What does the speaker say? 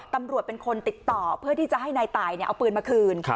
ตำรวจเป็นคนติดต่อเพื่อที่จะให้นายตายเอาปืนมาคืน